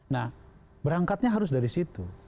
nah berangkatnya harus dari situ